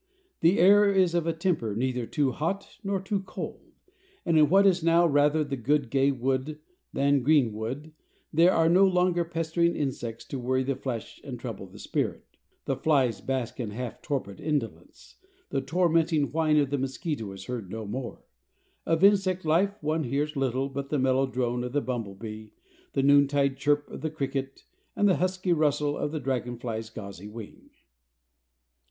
The air is of a temper neither too hot nor too cold, and in what is now rather the good gay wood than green wood, there are no longer pestering insects to worry the flesh and trouble the spirit. The flies bask in half torpid indolence, the tormenting whine of the mosquito is heard no more. Of insect life one hears little but the mellow drone of the bumblebee, the noontide chirp of the cricket, and the husky rustle of the dragonfly's gauzy wing.